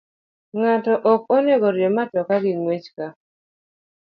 Ng'ato ok onego oriemb mtoka gi ng'wech ka